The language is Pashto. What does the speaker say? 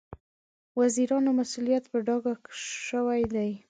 د وزیرانو مسوولیت په ډاګه شوی دی.